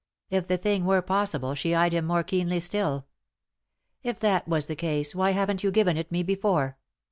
If the thing were possible she eyed him more keenly still. " If that was the case, why haven't you given it me before